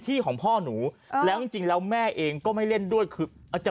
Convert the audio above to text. ของพ่อหนูแล้วจริงจริงแล้วแม่เองก็ไม่เล่นด้วยคืออาจจะ